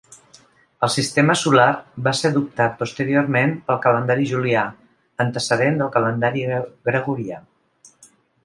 El sistema solar va ser adoptat posteriorment pel calendari julià, antecedent del calendari gregorià.